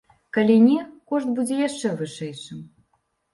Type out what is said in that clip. Калі не, кошт будзе яшчэ вышэйшым.